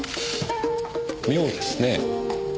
妙ですねぇ。